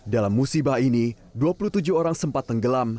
dalam musibah ini dua puluh tujuh orang sempat tenggelam